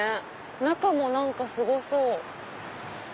中も何かすごそう。